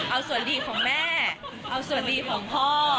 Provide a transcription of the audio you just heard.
เอาส่วนดีของแม่เอาส่วนดีของพ่อ